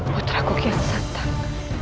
putraku kira santang